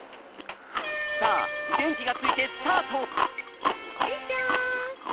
さあでんきがついてスタート！